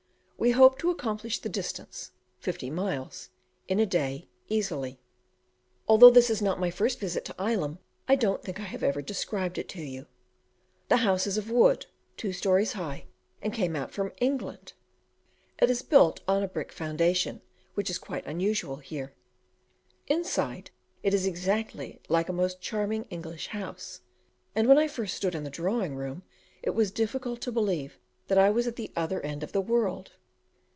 We hope to accomplish the distance fifty miles in a day, easily. Although this is not my first visit to Ilam, I don't think I have ever described it to you. The house is of wood, two storeys high, and came out from England! It is built on a brick foundation, which is quite unusual here. Inside, it is exactly like a most charming English house, and when I first stood in the drawing room it was difficult to believe: that I was at the other end of the world.